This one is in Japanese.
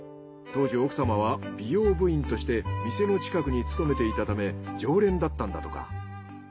当時奥様は美容部員として店の近くに勤めていたため常連だったんだとか。